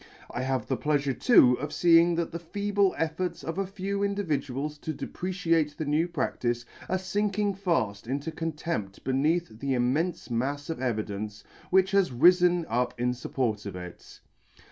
I have X the [ 146 ] the pleafure too of feeing that the feeble efforts of a few indivi duals to depreciate the new practice, are finking fail into con tempt beneath the immenfe mafs of evidence which has rifen up in fupport of it.